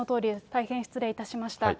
大変失礼いたしました。